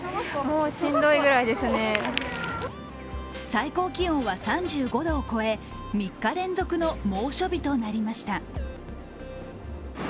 最高気温は３５度を超え、３日連続の猛暑日となりました。